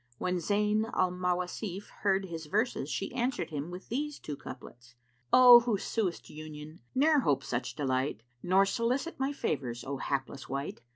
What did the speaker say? When Zayn al Mawasif heard his verses, she answered him with these two couplets, "O who suest Union, ne'er hope such delight * Nor solicit my favours, O hapless wight!